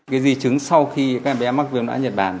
cái di chứng sau khi các bé mắc viêm não nhật bản